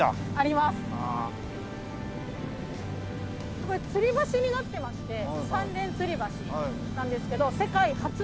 これつり橋になってまして三連つり橋なんですけど世界初の。